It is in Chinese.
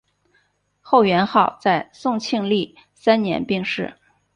后元昊在宋庆历三年病逝。